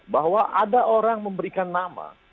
bahwa ada orang memberikan nama